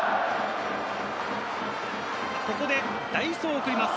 ここで代走を送ります。